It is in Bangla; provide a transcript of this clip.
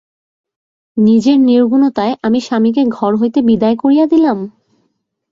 নিজের নির্গুণতায় আমি স্বামীকে ঘর হইতে বিদায় করিয়া দিলাম?